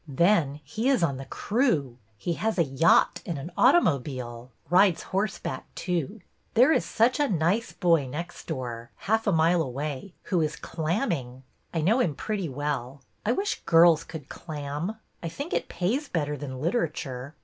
Then, he is on the crew. He has a yacht and an automobile; rides horseback too. There is such a nice boy next door — half a mile away — who is clamming. I know him pretty well. I wish girls could clam. I think it pays better than literature.